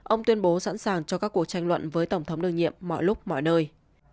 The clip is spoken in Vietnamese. ông tuyên bố sẵn sàng cho các cuộc tranh luận với tổng thống đương nhiệm mọi lúc mọi nơi